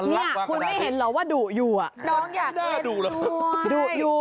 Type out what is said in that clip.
ไม่เคยเห็นมาดุเลย